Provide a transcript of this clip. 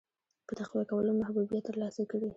په تقویه کولو محبوبیت ترلاسه کړي.